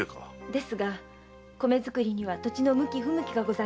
ですが米作りには土地の向き不向きがございます。